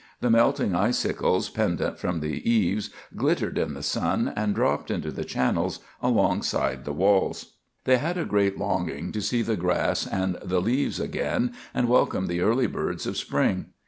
The melting icicles pendent from the eaves glittered in the sun and dripped into the channels alongside the walls. They had a great longing to see the grass and the leaves again and welcome the early birds of spring.